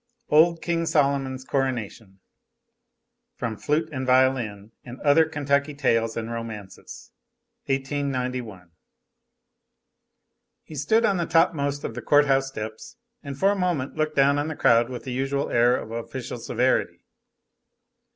OLD KING SOLOMON'S CORONATION From 'Flute and Violin, and Other Kentucky Tales and Romances' Copyright 1891, by Harper and Brothers. He stood on the topmost of the court house steps, and for a moment looked down on the crowd with the usual air of official severity.